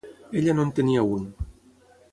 Ella no en tenia un.